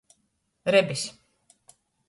Rebes.